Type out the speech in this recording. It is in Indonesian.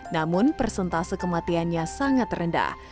namun persentase kematiannya sangat rendah